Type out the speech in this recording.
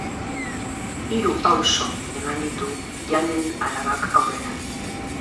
Hiru pauso eman ditu Janen alabak aurrera.